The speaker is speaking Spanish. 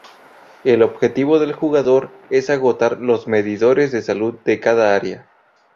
El objetivo del jugador es agotar los medidores de salud de cada área.